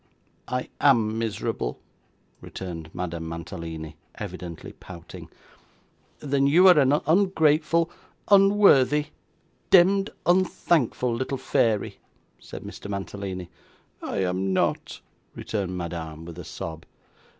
'I AM miserable,' returned Madame Mantalini, evidently pouting. 'Then you are an ungrateful, unworthy, demd unthankful little fairy,' said Mr. Mantalini. 'I am not,' returned Madame, with a sob.